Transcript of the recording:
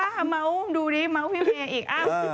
บ้าค่ะเม้าดูดิเม้าพี่เมย์อีก